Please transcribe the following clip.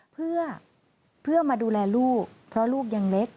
เพื่อมาดูแลลูกเพราะลูกยังเล็ก